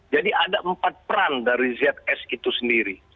jadi ada empat peran dari zs itu sendiri